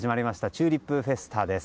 チューリップフェスタです。